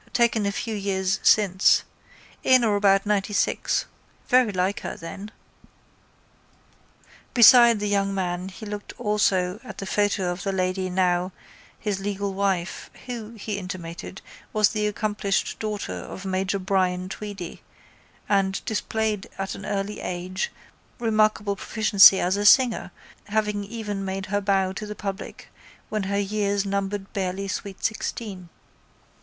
Taken a few years since. In or about ninety six. Very like her then. Beside the young man he looked also at the photo of the lady now his legal wife who, he intimated, was the accomplished daughter of Major Brian Tweedy and displayed at an early age remarkable proficiency as a singer having even made her bow to the public when her years numbered barely sweet sixteen.